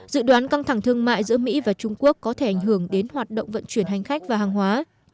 dự đoán căng thẳng thương mại giữa mỹ và trung quốc có thể ảnh hưởng đến hoạt động vận chuyển hành khách và hàng hóa